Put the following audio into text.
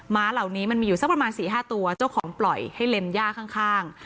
้าเหล่านี้มันมีอยู่สักประมาณ๔๕ตัวเจ้าของปล่อยให้เล็มย่าข้าง